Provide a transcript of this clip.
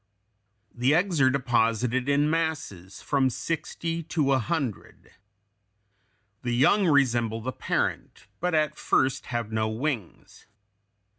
The eggs are deposited in masses from sixty to one hundred. The young resemble the parent, but at first have no wings.